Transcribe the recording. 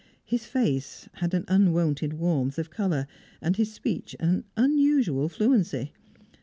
His face had an unwonted warmth of colour, and his speech an unusual fluency.